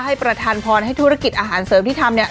ให้ประธานภรณ์ให้ธุรกิจอาหารเสิร์ฟที่ทำ